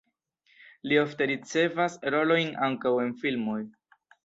Li ofte ricevas rolojn ankaŭ en filmoj.